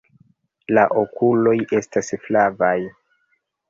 La okuloj estas flavaj.